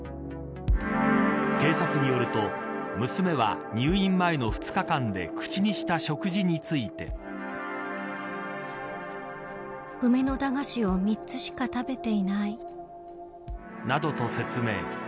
警察によると娘は入院前の２日間で口にした食事について。などと説明。